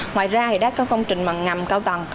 ngoài ra thì các công trình mà ngầm cao tầng